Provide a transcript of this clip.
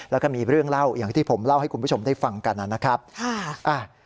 แล้วก็มีเรื่องเล่าอย่างที่ผมเล่าให้คุณผู้ชมได้ฟังกันนะครับค่ะ